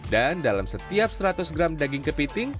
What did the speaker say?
dan dalam setiap seratus gram daging kepiting